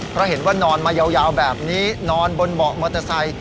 เพราะเห็นว่านอนมายาวแบบนี้นอนบนเบาะมอเตอร์ไซค์